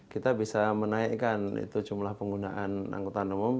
kita bisa menaikkan jumlah penggunaan anggota umum